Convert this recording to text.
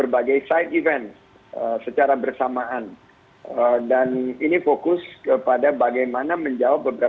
b dua puluh summit ini diselenggarakan dua hari